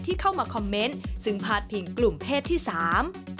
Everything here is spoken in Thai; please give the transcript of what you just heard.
เข้ามาคอมเมนต์ซึ่งพาดพิงกลุ่มเพศที่สาม